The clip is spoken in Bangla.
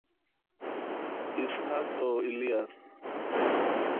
ইসহাক ও ইলিয়াস।